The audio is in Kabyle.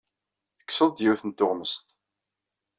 Tekkseḍ-d yiwet n tuɣmest.